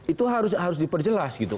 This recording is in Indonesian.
itu harus diperjelas gitu